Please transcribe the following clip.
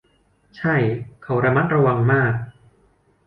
ใช่ เขาระมัดระวังมาก